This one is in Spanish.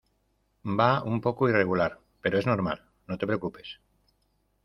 va un poco irregular, pero es normal. no te preocupes .